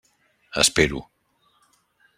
Espero.